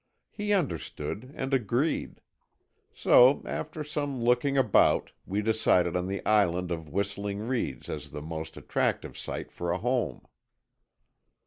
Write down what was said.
He understood and agreed. So after some looking about, we decided on the island of Whistling Reeds as the most attractive site for a home."